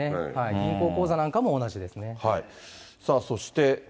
銀行口座なんかも同じですね。